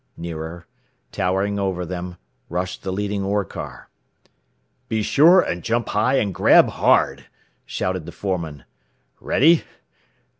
Nearer, towering over them, rushed the leading ore car. "Be sure and jump high and grab hard," shouted the foreman. "Ready!